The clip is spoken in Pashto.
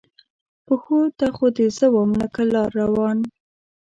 پښو ته خو دې زه وم لکه لار روان